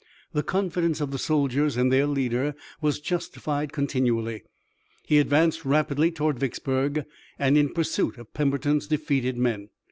The confidence of the soldiers in their leader was justified continually. He advanced rapidly toward Vicksburg, and in pursuit of Pemberton's defeated men.